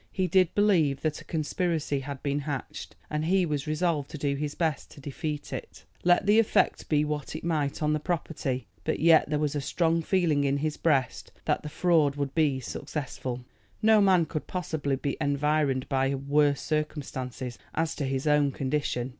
He did believe that a conspiracy had been hatched, and he was resolved to do his best to defeat it, let the effect be what it might on the property; but yet there was a strong feeling in his breast that the fraud would be successful. No man could possibly be environed by worse circumstances as to his own condition.